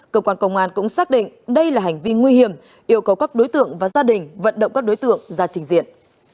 cơ quan công an cũng xác định đây là hành vi nguy hiểm yêu cầu các đối tượng và gia đình vận động các đối tượng ra trình diện